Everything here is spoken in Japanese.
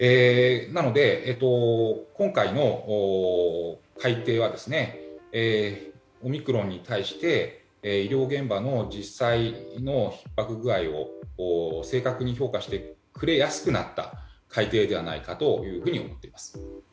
なので、今回の改定はオミクロンに対して医療現場の実際のひっ迫具合を正確に評価してくれやすくなった改定ではないかというふうに思っています。